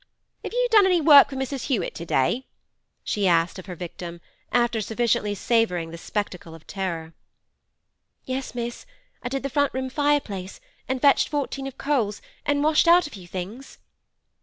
'Have you done any work for Mrs. Hewett to day?' she asked of her victim, after sufficiently savouring the spectacle of terror. 'Yes, miss; I did the front room fireplace, an' fetched fourteen of coals, an' washed out a few things.